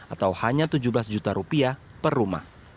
atau hanya tujuh belas juta rupiah per rumah